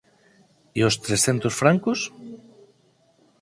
E os trescentos francos?